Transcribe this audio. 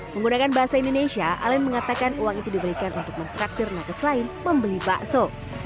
menggunakan bahasa indonesia alain mengatakan uang itu diberikan untuk memperaktir naga selain membeli bakso